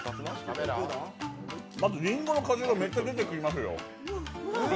まずりんごの果汁がめっちゃ出てきますよ。